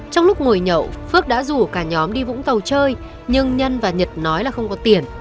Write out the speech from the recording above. trong lúc ngồi nhậu phước đã rủ cả nhóm đi vũng tàu chơi nhưng nhân và nhật nói là không có tiền